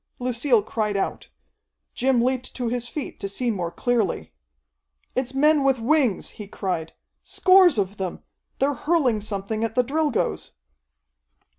Lucille cried out. Jim leaped to his feet to see more clearly. "It's men with wings," he cried. "Scores of them. They're hurling something at the Drilgoes!"